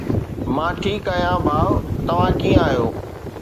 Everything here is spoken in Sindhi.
مان ٺيڪ آهيان ڀاءُ توهان ڪيئن آهيو؟